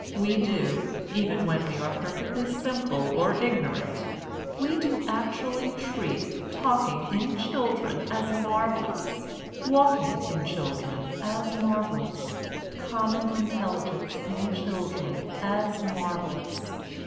We do (even when we are perfectly simple or ignorant) — we do actually treat talking in children as marvel lous, walking in children as marvellous, common intelligence in children as marvel lous.